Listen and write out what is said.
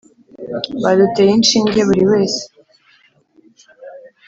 Baduteye inshinge buri wese